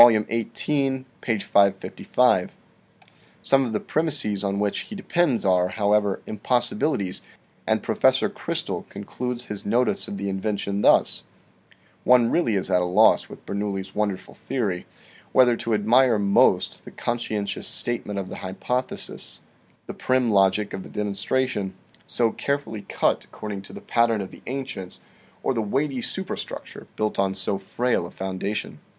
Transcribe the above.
XVIII, page 555. Some of the premises on which he depends are, however, impossibilities, and Professor Chrystal concludes his notice of the invention thus :" One really is at a loss with Bernoulli's wonderful theory, whether to admire most the conscientious state ment of the hypothesis, the prim logic of the demonstra tion so carefully cut according to the pattern of the ancients or the weighty superstructure built on so frail a foundation.